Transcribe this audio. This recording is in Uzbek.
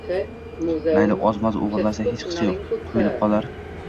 Mayli, oz-moz oʻgʻirlasa hechqisi yoʻq, quyilib qolar!